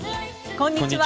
こんにちは。